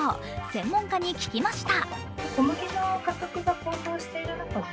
専門家に聞きました。